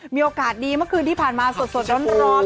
มีโอกาสดีเมื่อคืนที่ผ่านมาสดร้อน